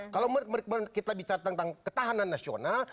kalau kita bicara tentang ketahanan nasional